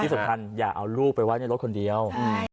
ที่สุดที่สำคัญอย่าเอารูปไปวางบนรถคนเดียว